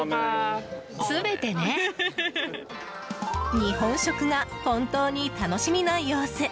日本食が本当に楽しみな様子。